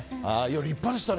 立派でしたね。